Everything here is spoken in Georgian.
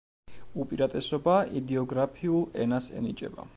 უპირატესობა იდეოგრაფიულ ენას ენიჭება.